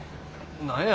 何や？